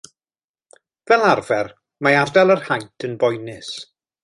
Fel arfer mae ardal yr haint yn boenus.